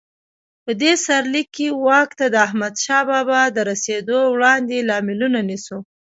په دې سرلیک کې واک ته د احمدشاه بابا د رسېدو وړاندې لاملونه نیسو.